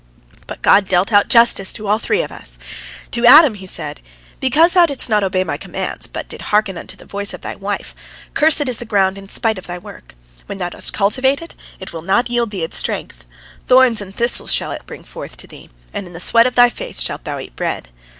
But God dealt out justice to all three of us. To Adam He said: "Because thou didst not obey My commands, but didst hearken unto the voice of thy wife, cursed is the ground in spite of thy work. When thou dost cultivate it, it will not yield thee its strength. Thorns and thistles shall it bring forth to thee, and in the sweat of thy face shalt thou eat bread.